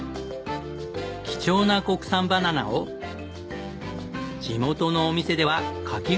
貴重な国産バナナを地元のお店ではかき氷に！